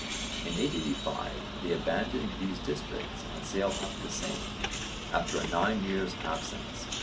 In 885 they abandoned these districts and sailed up the Seine, after a nine years' absence.